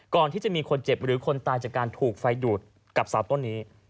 ก่อนที่จะมีคนเจ็บหรือคนตายจากการถูกไฟดูดกับเสาต้นนี้